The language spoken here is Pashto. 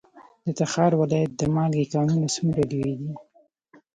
د تخار ولایت د مالګې کانونه څومره لوی دي؟